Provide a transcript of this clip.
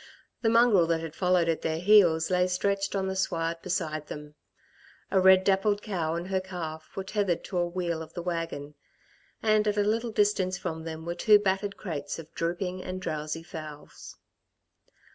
The mongrel that had followed at their heels lay stretched on the sward beside them. A red dappled cow and her calf were tethered to a wheel of the wagon, and at a little distance from them were two battered crates of drooping and drowsy fowls.